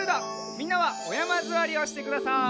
みんなはおやまずわりをしてください。